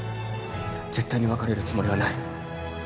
絶対に別れるつもりはない。